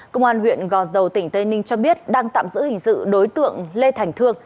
công an huyện gò dầu tỉnh tây ninh cho biết đang tạm giữ hình sự đối tượng lê thành thương